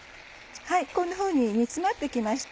こんなふうに煮詰まって来ました。